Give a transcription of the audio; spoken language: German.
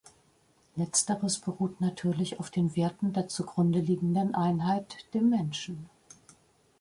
Letzteres beruht natürlich auf den Werten der zugrunde liegenden Einheit, dem Menschen.